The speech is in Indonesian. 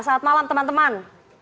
selamat malam teman teman